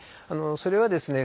それはですね